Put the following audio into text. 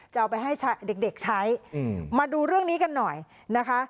จะเอาไปให้เด็กใช้มาดูเรื่องนี้กันหน่อยนะคะ